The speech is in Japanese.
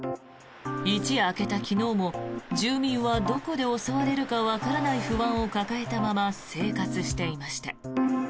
一夜明けた昨日も住民はどこで襲われるかわからない不安を抱えたまま生活していました。